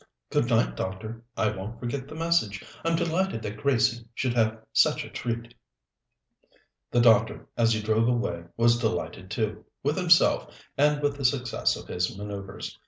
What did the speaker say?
"Good night, doctor. I won't forget the message. I'm delighted that Gracie should have such a treat." The doctor, as he drove away, was delighted too, with himself and with the success of his manoeuvres.